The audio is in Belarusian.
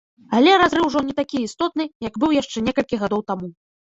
Але разрыў ужо не такі істотны, як быў яшчэ некалькі гадоў таму.